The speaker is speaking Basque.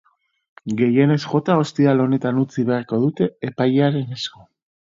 Gehienez jota ostiral honetan utzi beharko dute epailearen esku.